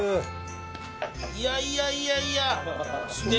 いやいやいやいや素敵！